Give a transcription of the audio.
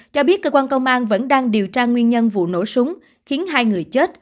cho biết cơ quan công an vẫn đang điều tra nguyên nhân vụ nổ súng khiến hai người chết